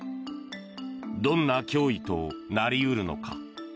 どんな脅威となり得るのか。